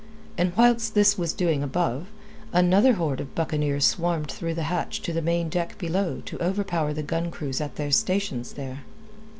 And whilst this was doing above, another horde of buccaneers swarmed through the hatch to the main deck below to overpower the gun crews at their stations there.